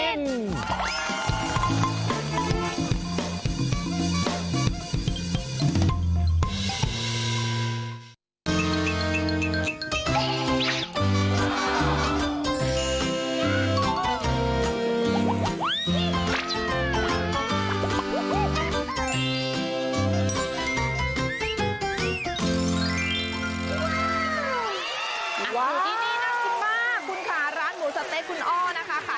อยู่ที่นี่น่ากินมากคุณค่ะร้านหมูสะเต๊ะคุณอ้อนะคะ